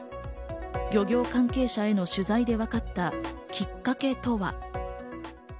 漁業関係者への取材で分かったきっかけとは。